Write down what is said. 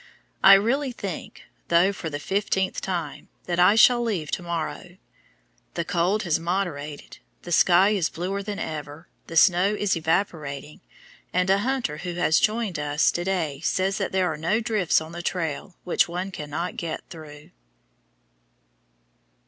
I really think (though for the fifteenth time) that I shall leave to morrow. The cold has moderated, the sky is bluer than ever, the snow is evaporating, and a hunter who has joined us to day says that there are no drifts on the trail which one cannot get through.